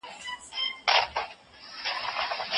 ځینې خلک د ټولنیزو رسنیو خبرې تعقیبوي.